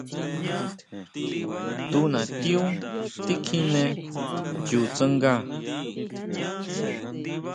Tu natiú tikjine chu tsanga.